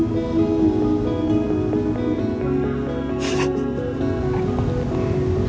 tunggu aku mau